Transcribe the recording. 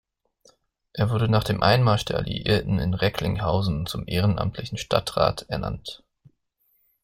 Er wurde nach dem Einmarsch der Alliierten in Recklinghausen zum Ehrenamtlichen Stadtrat ernannt.